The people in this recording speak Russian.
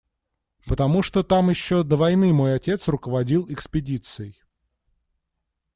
Потому что там еще до войны мой отец руководил экспедицией.